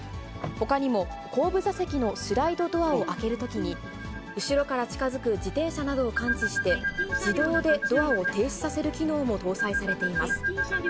ほかにも、後部座席のスライドドアを開けるときに、後ろから近づく自転車などを感知して、自動でドアを停止させる機能も搭載されています。